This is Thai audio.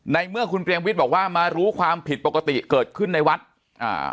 ในเมื่อคุณเปรมวิทย์บอกว่ามารู้ความผิดปกติเกิดขึ้นในวัดอ่า